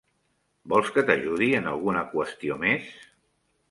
Vols que t'ajudi en alguna qüestió més?